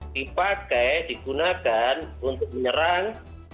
dipakai digunakan untuk menyerang